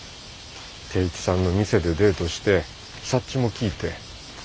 定一さんの店でデートしてサッチモ聴いて。